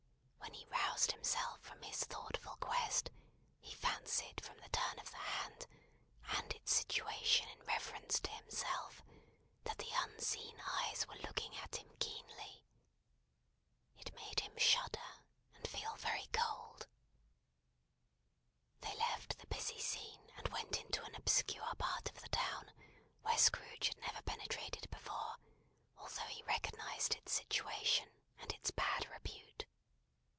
When he roused himself from his thoughtful quest, he fancied from the turn of the hand, and its situation in reference to himself, that the Unseen Eyes were looking at him keenly. It made him shudder, and feel very cold. They left the busy scene, and went into an obscure part of the town, where Scrooge had never penetrated before, although he recognised its situation, and its bad repute.